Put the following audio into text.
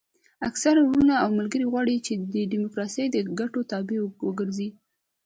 اکثره وروڼه او ملګري غواړي چې ډیموکراسي د ګټو تابع وګرځوي.